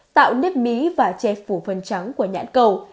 tạo nếp mí và chẹp phủ phần trắng của nhãn cầu